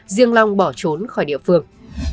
riêng long bỏ trốn khỏi địa phương